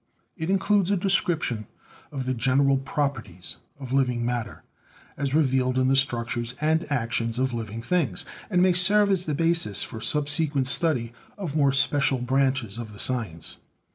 It in cludes a description of the general properties of living matter as revealed in the structures and actions of living things, and may serve as the basis for subsequent study of more special branches of the science.